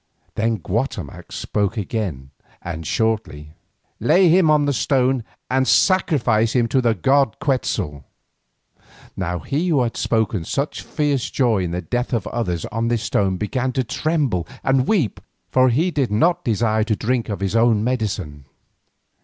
Then Guatemoc spoke again and shortly: "Lay him on the stone and sacrifice him to the god Quetzal." Now he who had taken such fierce joy in the death of others on this same stone, began to tremble and weep, for he did not desire to drink of his own medicine.